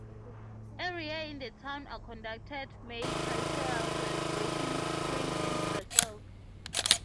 Every year in the town are conducted May cultural celebrations "Spring in Preslav".